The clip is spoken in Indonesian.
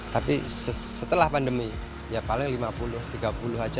tapi setelah pandemi ya paling lima puluh tiga puluh aja